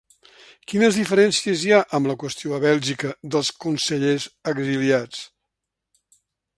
Quines diferències hi ha amb la qüestió a Bèlgica dels consellers exiliats?